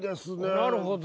なるほど。